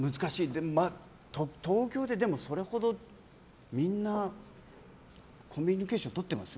でも東京でそれほどみんなコミュニケーションとってます？